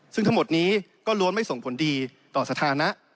ซึ่งทั้งหมดนี้ก็ล้วนไม่ส่งผลดีต่อสถานะ